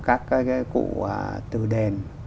các cái cụ từ đền